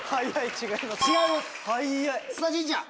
「違います」が。